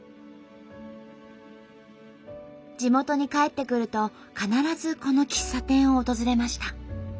地元に帰ってくると必ずこの喫茶店を訪れました。